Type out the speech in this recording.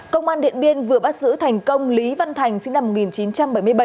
công an điện biên vừa bắt giữ thành công lý văn thành sinh năm một nghìn chín trăm bảy mươi bảy